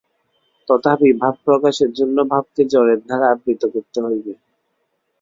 তথাপি ভাবপ্রকাশের জন্য ভাবকে জড়ের দ্বারা আবৃত করিতে হইবে।